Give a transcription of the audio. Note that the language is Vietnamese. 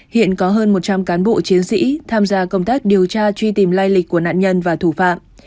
hiện có hơn một trăm linh cán bộ chiến sĩ tham gia công tác điều tra truy tìm lai lịch của nạn nhân và thủ phạm